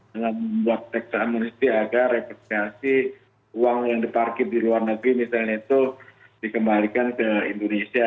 dengan membuat tax amnesty agar repatriasi uang yang diparkir di luar negeri misalnya itu dikembalikan ke indonesia